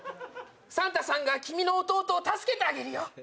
サンタさんが君の弟を助けてあげるよ